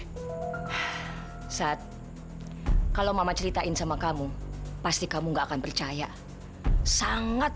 hai saat kalau mama ceritain sama kamu pasti kamu enggak akan percaya sangat